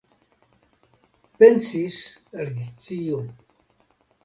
Pensis Alicio.